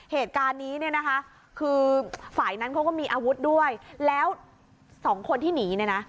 เหตุการณ์นี้เนี่ยนะคะคือฝ่ายนั้นเขาก็มีอาวุธด้วยแล้วสองคนที่หนีเนี่ยนะ